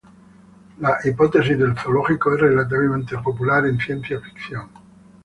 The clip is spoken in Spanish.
La "hipótesis del zoológico" es relativamente popular en ciencia ficción.